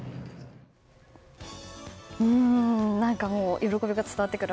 喜びが伝わってくる。